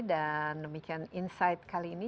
dan demikian insight kali ini